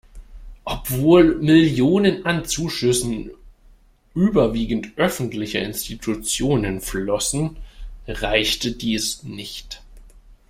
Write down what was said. Obwohl Millionen an Zuschüssen überwiegend öffentlicher Institutionen flossen, reichte dies nicht.